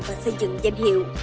và xây dựng danh hiệu